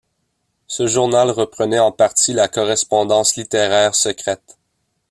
Ce journal reprenait en partie la Correspondance littéraire secrète.